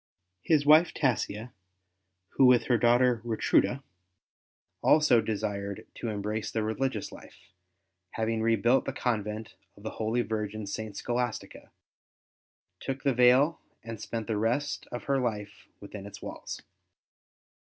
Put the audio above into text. His wife Tassia, who with her daughter Ratruda also desired to embrace the religious life, having rebuilt the convent of the holy virgin St. Scholastica, took the veil and spent the rest of her life within its walls.